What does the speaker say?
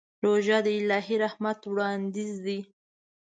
روژه د الهي رحمت وړاندیز دی.